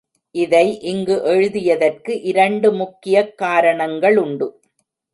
இதை இங்கு எழுதியதற்கு இரண்டு முக்கியக் காரணங்களுண்டு.